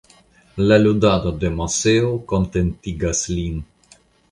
La ludado de Moseo kontentigas lin.